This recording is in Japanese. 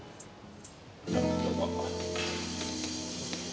どうも。